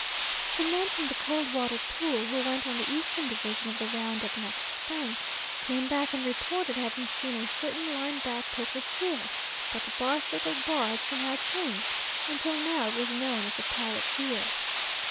The men from the Coldwater Pool, who went on the eastern division of the round up next spring, came back and reported having seen a certain line back poker steer, but the bar circle bar had somehow changed, until now it was known as the pilot wheel.